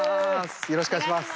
よろしくお願いします。